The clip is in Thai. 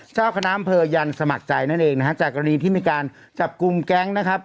เจ้าคณะอำเภอยันสมัครใจนั่นเองนะฮะจากกรณีที่มีการจับกลุ่มแก๊งนะครับ